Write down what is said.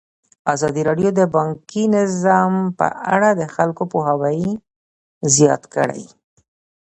ازادي راډیو د بانکي نظام په اړه د خلکو پوهاوی زیات کړی.